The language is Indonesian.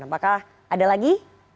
apakah ada lagi